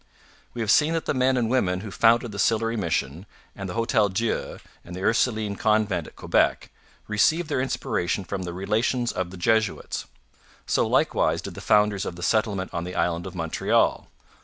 We have seen that the men and women who founded the Sillery mission, and the Hotel Dieu and the Ursuline convent at Quebec, received their inspiration from the Relations of the Jesuits. So likewise did the founders of the settlement on the island of Montreal.